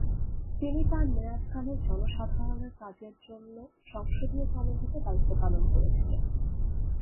তিনি তার মেয়াদকালে জনসাধারণের কাজের জন্য সংসদীয় কমিটিতে দায়িত্ব পালন করেছিলেন।